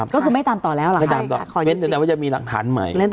ก็คือไม่ตามต่อแล้วหรอครับไม่ตามต่อยกเว้นแต่ว่าจะมีหลักฐานใหม่